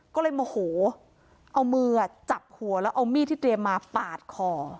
ก็เลยโมโหเอามือจับหัวแล้วเอามีดที่เตรียมมาปาดคอ